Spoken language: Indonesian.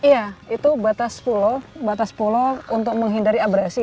iya itu batas pulau untuk menghindari abrasi